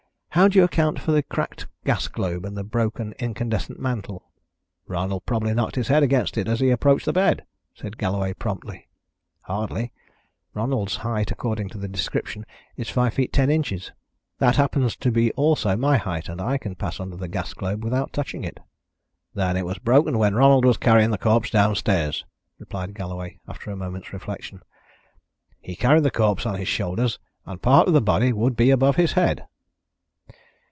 How do you account for the cracked gas globe and the broken incandescent mantle?" "Ronald probably knocked his head against it as he approached the bed," said Galloway promptly. "Hardly. Ronald's height, according to the description, is five feet ten inches. That happens to be also my height, and I can pass under the gas globe without touching it." "Then it was broken when Ronald was carrying the corpse downstairs," replied Galloway, after a moment's reflection. "He carried the corpse on his shoulders and part of the body would be above his head."